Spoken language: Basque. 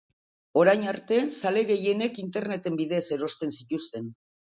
Orain arte, zale gehienek internet bidez erosten zituzten.